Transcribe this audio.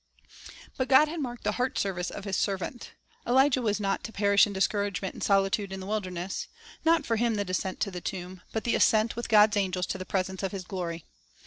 But God had marked the heart service of His serv ant. Elijah was not to perish in discouragement and solitude in the wilderness. Not for him the descent to the tomb, but the ascent with God's angels to the presence of His glory.